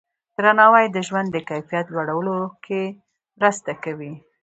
درناوی د ژوند د کیفیت لوړولو کې مرسته کوي.